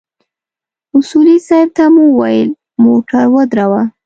اصولي صیب ته مو وويل موټر ودروه.